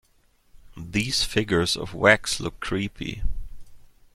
These figures of wax look creepy.